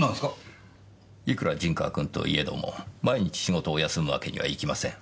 いくら陣川君といえども毎日仕事を休むわけにはいきません。